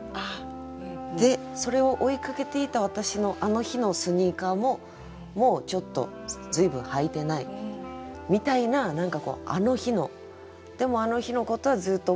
それを追いかけていた私のあの日のスニーカーももうちょっと随分履いてないみたいな何かこうあの日のでもあの日のことはずっと覚えてるよ